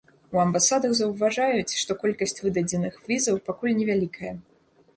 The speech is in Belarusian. У амбасадах заўважаюць, што колькасць выдадзеных візаў пакуль невялікая.